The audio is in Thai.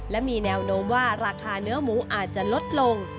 และมีแนวโน้มว่าราคาเนื้อหมูอาจจะลดลง